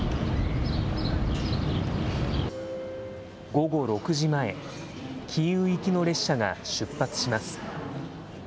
午後６時前、キーウ行きの列車が出発します。